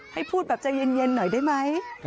ให้พูดแบบใจเย็นหน่อยได้ไหม